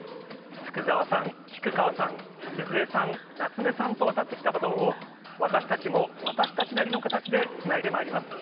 福澤さん、菊川さん、鈴江さん、夏目さんと渡ってきたバトンを、私たちも、私たちなりの形でつないでまいります。